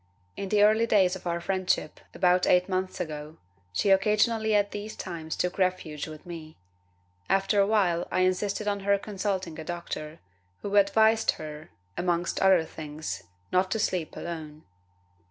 In the early days of our friendship, about eight months ago, she occasionally at these times took refuge with me. After a while I insisted on her consulting a doctor, who advised her, amongst other things, not to sleep alone.